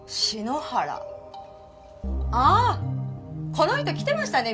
この人来てましたね